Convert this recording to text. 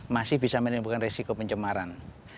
masih bisa menimbulkan resiko pencemaran